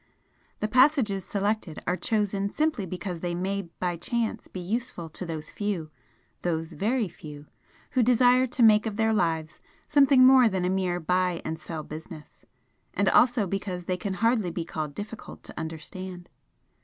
The passages selected are chosen simply because they may by chance be useful to those few those very few who desire to make of their lives something more than a mere buy and sell business, and also because they can hardly be called difficult to understand.